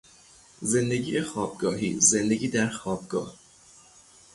زندگی خوابگاهی، زندگی در خوابگاه